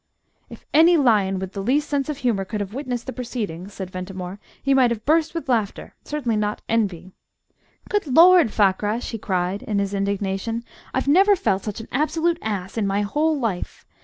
"If any lion with the least sense of humour could have witnessed the proceedings," said Ventimore, "he might have burst with laughter certainly not envy. Good Lord! Fakrash," he cried, in his indignation, "I've never felt such an absolute ass in my whole life!